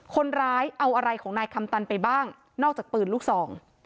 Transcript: คนร้ายเอาอะไรของนายคำตันไปบ้างนอกจากปืนลูกซอง